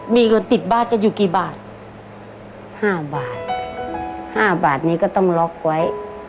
มีเงินติดบ้านกันอยู่กี่บาทห้าบาทห้าบาทนี้ก็ต้องล็อกไว้